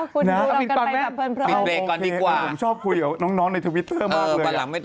ชอบแองจี้แองจี้เป็นลูกหรือเปล่า